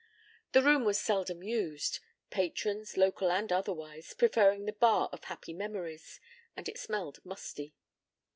The room was seldom used, patrons, local and otherwise, preferring the Bar of happy memories, and it smelled musty.